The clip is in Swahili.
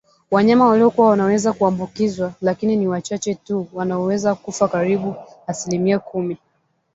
Wanyama waliokua wanaweza kuambukizwa lakini ni wachache tu wanaoweza kufa karibu asilimia kumi